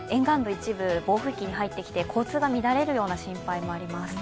一部、暴風域に入ってきて交通が乱れるような心配もあります。